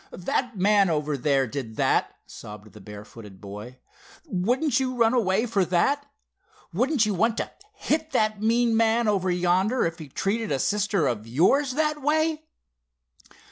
"That man over there did that," sobbed the barefooted boy. "Wouldn't you run away for that? Wouldn't you want to hit that mean man over yonder, if he treated a sister of yours that way?"